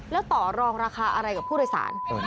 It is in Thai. แล้วต่อรองราคาอะไรกับผู้โดยสาร